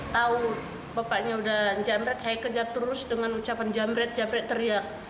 tahu bapaknya udah jambret saya kejar terus dengan ucapan jambret jambret teriak